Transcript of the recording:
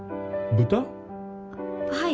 はい。